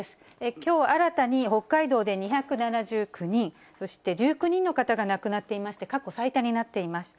きょう新たに北海道で２７９人、そして１９人の方が亡くなっていまして、過去最多になっています。